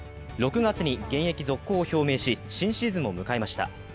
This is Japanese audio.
６月に現役続行を表明し、新シーズンを迎えました。